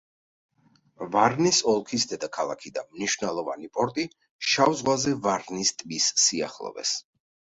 ვარნის ოლქის დედაქალაქი და მნიშვნელოვანი პორტი შავ ზღვაზე ვარნის ტბის სიახლოვეს.